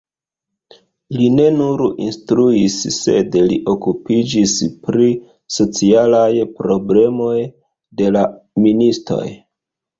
Li ne nur instruis, sed li okupiĝis pri socialaj problemoj de la ministoj.